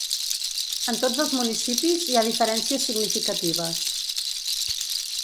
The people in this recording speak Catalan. En tots els municipis hi ha diferències significatives.